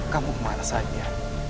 kamu kemana saja